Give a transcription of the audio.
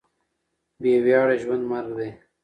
بې وياړه ژوند مرګ دی.